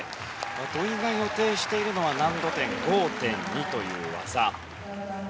土井が予定しているのは難度点５．２という技。